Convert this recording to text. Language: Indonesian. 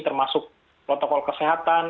termasuk protokol kesehatan